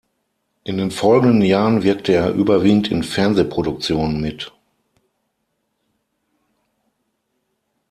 In den folgenden Jahren wirkte er überwiegend in Fernsehproduktionen mit.